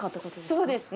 そうですね。